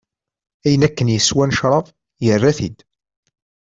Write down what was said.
Ayen akken yeswa n ccrab, yerra-t-id.